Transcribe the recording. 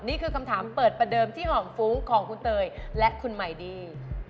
นี่คือคำถามเปิดประเดิมที่หอมฟุ้งของคุณเตยและคุณหมายดี้